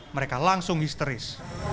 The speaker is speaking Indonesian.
mereka langsung histeris